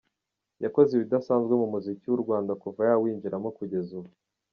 Yakoze ibidasanzwe mu muziki w’u Rwanda kuva yawinjiramo kugeza ubu.